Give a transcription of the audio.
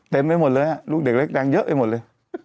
ไปหมดเลยลูกเด็กเล็กแดงเยอะไปหมดเลย